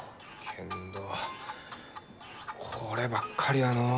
けんどこればっかりはのう。